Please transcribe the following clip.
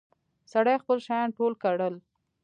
سړي خپل شيان ټول کړل.